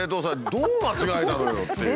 どう間違えたのよ？っていう。